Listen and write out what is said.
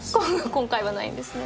今回はないんですね。